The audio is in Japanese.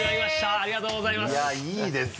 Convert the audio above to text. ありがとうございます。